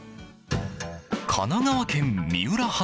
神奈川県三浦